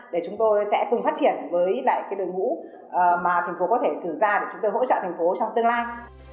để chúng tôi sẽ cùng phát triển với lại cái đội ngũ mà thành phố có thể cử ra để chúng tôi hỗ trợ thành phố trong tương lai